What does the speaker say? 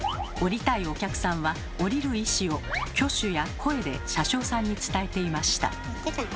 降りたいお客さんは降りる意思を挙手や声で車掌さんに伝えていました。